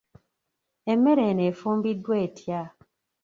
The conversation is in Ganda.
Emmere eno efumbiddwa etya?